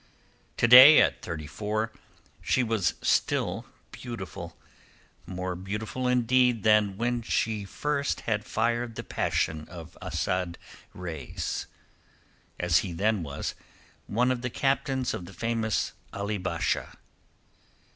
To day, at thirty four, she was still beautiful, more beautiful indeed than when first she had fired the passion of Asad Reis—as he then was, one of the captains of the famous Ali Basha.